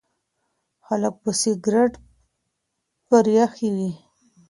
خلک به سګریټ پرېښی وي.